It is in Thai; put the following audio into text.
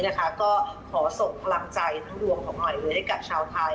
ก็ขอส่งพลังใจทั้งดวงของใหม่เลยให้กับชาวไทย